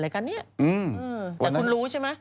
แต่คุณรู้ใช่ไหม